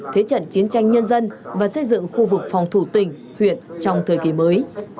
thế trận chiến tranh nhân dân và xây dựng khu vực phòng thủ tỉnh huyện trong thời kỳ mới